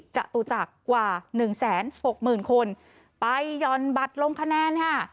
จตุจักรกว่าหนึ่งแสนหกหมื่นคนไปหย่อนบัตรลงคะแนนค่ะ